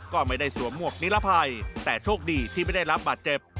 ก็ไม่ได้สวมหมวกนิรภัยแต่โชคดีที่ไม่ได้รับบาดเจ็บ